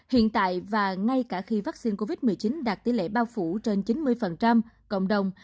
hiện tại và ngay cả khi vaccine covid một mươi chín đạt tỷ lệ bao phủ trên chín mươi cộng đồng